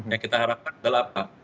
yang kita harapkan adalah apa